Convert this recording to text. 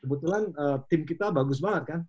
kebetulan tim kita bagus banget kan